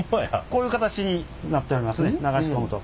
こういう形になっておりますね流し込むと。